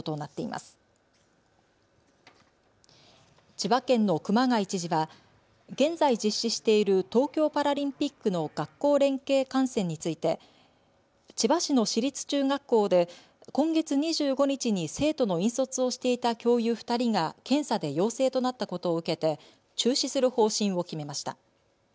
千葉県の熊谷知事は現在、実施している東京パラリンピックの学校連携観戦について千葉市の市立中学校で今月２５日に生徒の引率をしていた教諭２人が検査で陽性となったことを受けて中止する方針を決めました。